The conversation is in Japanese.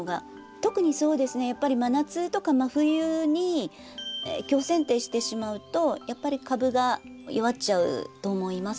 特にやっぱり真夏とか真冬に強せん定してしまうとやっぱり株が弱っちゃうと思います。